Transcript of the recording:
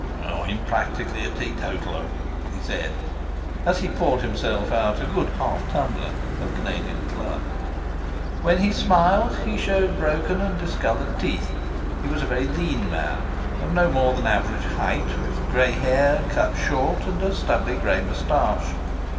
"I'm practically a teetotaller," he said, as he poured himself out a good half tumbler of Canadian Club. When he smiled he showed broken and discoloured teeth. He was a very lean man, of no more than average height, with gray hair cut short and a stubbly gray moustache.